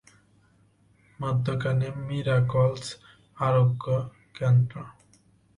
মধ্যখানে মিরাকলস আরোগ্য কেন্দ্র।